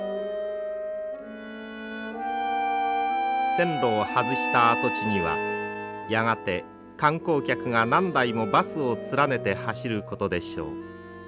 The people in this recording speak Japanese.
線路を外した跡地にはやがて観光客が何台もバスを連ねて走ることでしょう。